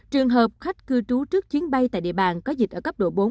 trường hợp khách cư trú trước chuyến bay tại địa bàn có dịch ở cấp độ bốn